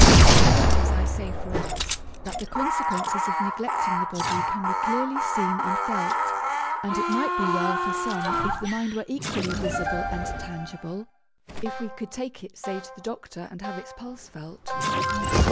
Well, it is, I say, for us that the consequences of neglecting the body can be clearly seen and felt; and it might be well for some if the mind were equally visible and tangible if we could take it, say, to the doctor, and have its pulse felt.